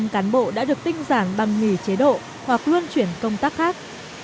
hai trăm linh cán bộ đã được tinh giản bằng nghỉ chế độ hoặc lương chuyển công tác khác